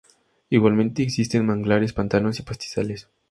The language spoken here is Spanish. Igualmente existen manglares, pantanos y pastizales.